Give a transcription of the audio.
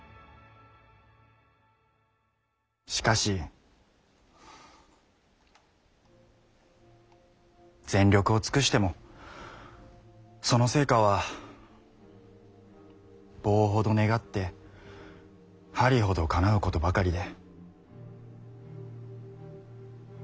しかし全力を尽くしてもその成果は棒ほど願って針ほどかなうことばかりで。